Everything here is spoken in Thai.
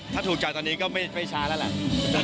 ถ้าถูกใจตอนนี้ก็ไม่ช้าแล้วแหละ